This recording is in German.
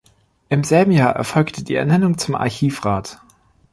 Im selben Jahr erfolgte die Ernennung zum Archivrat.